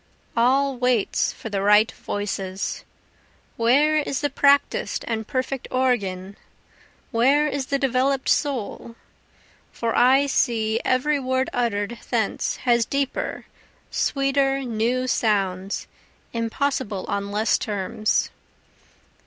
All waits for the right voices; Where is the practis'd and perfect organ? where is the develop'd soul? For I see every word utter'd thence has deeper, sweeter, new sounds, impossible on less terms.